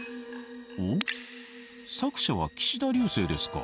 おっ作者は岸田劉生ですか。